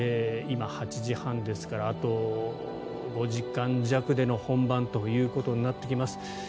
今、８時半ですからあと５時間弱での本番ということになってきます。